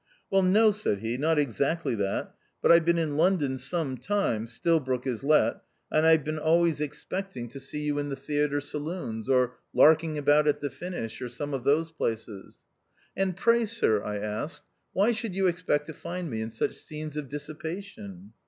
" Well, no," said he, " not exactly that ; but I've been in London some time (Stil broke is let), and I've been always expect 1 62 THE OUTCAST. ing to see you in the theatre saloons, or larking about at the Finish, or some of those places." " And pray, sir," I asked, " why should you expect to find me in such scenes of dissipation